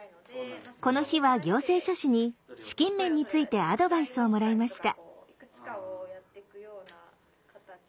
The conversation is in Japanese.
この日は行政書士に資金面についてアドバイスをもらいました。